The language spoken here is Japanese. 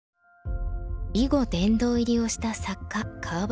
囲碁殿堂入りをした作家川端